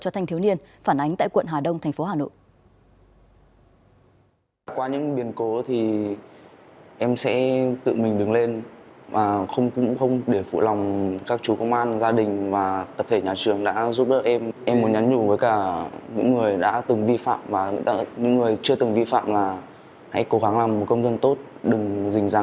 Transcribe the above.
cho thanh thiếu niên phản ánh tại quận hà đông thành phố hà nội